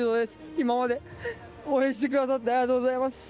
今まで応援してくださってありがとうございます。